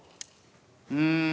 うん。